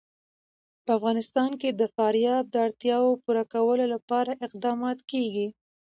په افغانستان کې د فاریاب د اړتیاوو پوره کولو لپاره اقدامات کېږي.